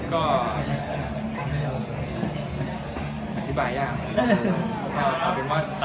อธิบายอย่าง